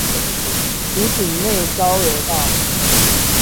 湖子內交流道